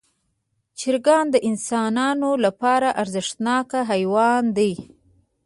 چرګان د انسانانو لپاره ارزښتناک حیوانات دي.